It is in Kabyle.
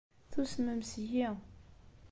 Tusmem seg-i.